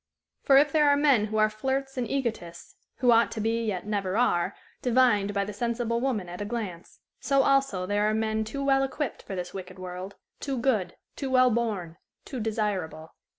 For if there are men who are flirts and egotists who ought to be, yet never are, divined by the sensible woman at a glance so also there are men too well equipped for this wicked world, too good, too well born, too desirable.